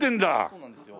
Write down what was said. そうなんですよ。